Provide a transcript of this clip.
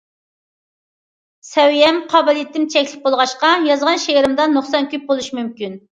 سەۋىيەم، قابىلىيىتىم چەكلىك بولغاچقا، يازغان شېئىرىمدا نۇقسان كۆپ بولۇشى مۇمكىن.